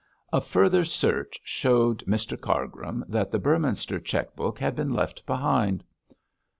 A further search showed Mr Cargrim that the Beorminster cheque book had been left behind.